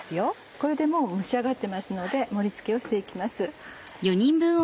これでもう蒸し上がってますので盛り付けをして行きます。